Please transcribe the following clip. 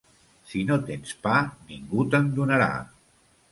Si no tens pa, ningú te'n donarà.